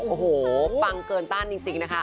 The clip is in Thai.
โอ้โหปังเกินต้านจริงนะคะ